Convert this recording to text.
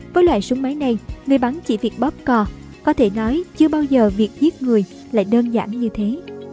với loại súng máy này người bắn chỉ việc bóp cò có thể nói chưa bao giờ việc giết người lại đơn giản như thế